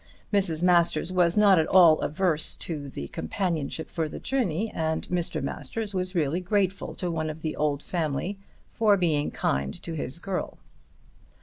Mrs. Masters was not at all averse to the companionship for the journey, and Mr. Masters was really grateful to one of the old family for being kind to his girl.